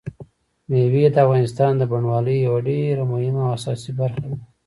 مېوې د افغانستان د بڼوالۍ یوه ډېره مهمه او اساسي برخه ده.